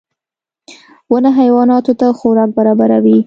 • ونه حیواناتو ته خوراک برابروي.